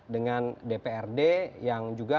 dengan dprd yang juga memiliki track yang berbeda